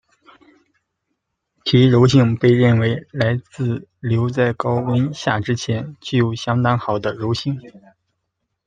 其柔性被认为来自于硫在高温下之前，具有相当好的柔性。